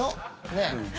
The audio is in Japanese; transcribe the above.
ねえ。